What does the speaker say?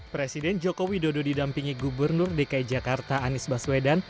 presiden joko widodo didampingi gubernur dki jakarta anies baswedan